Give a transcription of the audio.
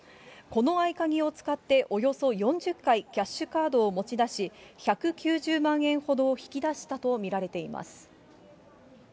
この合鍵を使っておよそ４０回キャッシュカードを持ち出し、１９０万円ほどを引き出したと見られています。